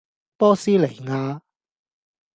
波斯尼亞